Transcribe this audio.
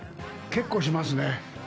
結構しますね。